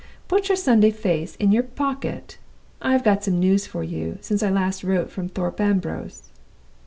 'Put your Sunday face in your pocket. I have got some news for you, since I last wrote from Thorpe Ambrose.